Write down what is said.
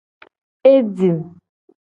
E jim.